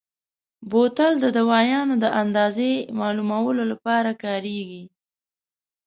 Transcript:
بوتل د دوایانو د اندازې معلومولو لپاره کارېږي.